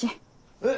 えっ？